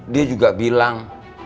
dia juga bilang